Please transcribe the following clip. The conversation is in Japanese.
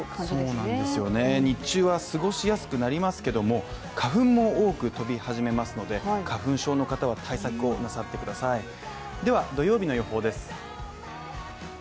そうなんですよね、日中は過ごしやすくなりますけれども花粉も多く飛び始めますので花粉症の方は対策をなさってください。